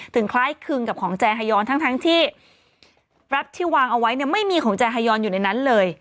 คล้ายคลึงกับของแจฮายอนทั้งที่แรปที่วางเอาไว้เนี่ยไม่มีของแจฮายอนอยู่ในนั้นเลย